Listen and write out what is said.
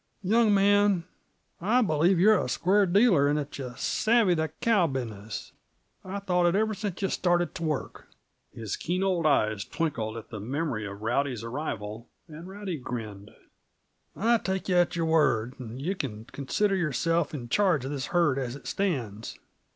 "Young man, I b'lieve you're a square dealer, and that yuh savvy the cow business. I've thought it ever since yuh started t' work." His keen old eyes twinkled at the memory of Rowdy's arrival, and Rowdy grinned. "I take yuh at your word, and yuh can consider yourself in charge uh this herd as it stands.